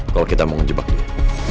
kalo kita mau ngejebak dia